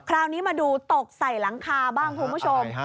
คราวนี้มาดูตกใส่หลังคาบ้างคุณผู้ชม